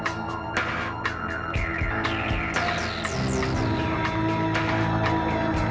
ada apa cak